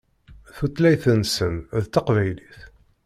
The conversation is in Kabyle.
Tutlayt-nsen d taqbaylit.